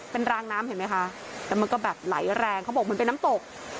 เป็นรางน้ำเห็นไหมคะแต่มันก็แบบไหลแรงเขาบอกเหมือนเป็นน้ำตก